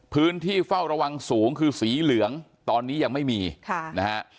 พื้นที่เฝ้าระวังสูงคือสีเหลืองตอนนี้ยังไม่มีค่ะนะฮะ